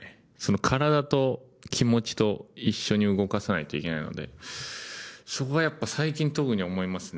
体と気持ちと一緒に動かさないといけないので、そこがやっぱ、最近特に思いますね。